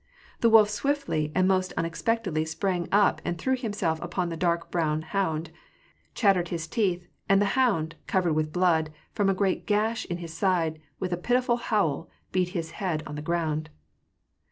The wolf swiftly and most unexpectedly sprang up and threw himself upon the dark brown hound, chattered his teeth, and the hound, covered with blood, from a great gash in his side, with a pitiful howl, beat his head on the ground.